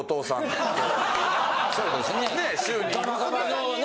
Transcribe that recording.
そうですね。